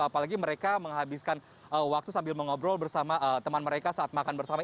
apalagi mereka menghabiskan waktu sambil mengobrol bersama teman mereka saat makan bersama